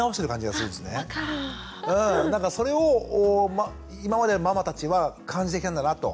それを今までママたちは感じてきたんだなと。